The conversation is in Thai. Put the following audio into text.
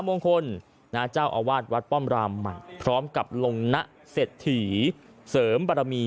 มงคลเจ้าอาวาสวัดป้อมรามใหม่พร้อมกับลงนะเศรษฐีเสริมบารมี